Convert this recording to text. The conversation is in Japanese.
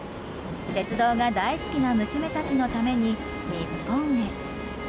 鉄道が大好きな娘たちのために日本へ。